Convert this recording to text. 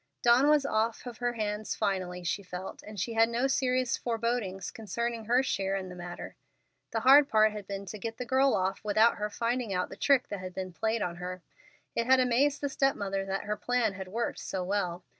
Dawn was off her hands finally, she felt, and she had no serious forebodings concerning her share in the matter. The hard part had been to get the girl off without her finding out the trick that had been played on her. It had amazed the step mother that her plan had worked so well.